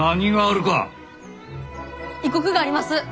異国があります！